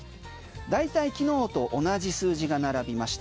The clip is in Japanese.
大体、昨日と同じ数字が並びました。